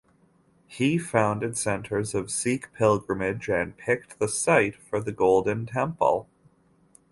He founded centres of Sikh pilgrimage, and picked the site for the Golden Temple.